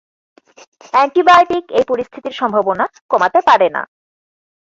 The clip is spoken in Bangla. অ্যান্টিবায়োটিক এই পরিস্থিতির সম্ভাবনা কমাতে পারে না।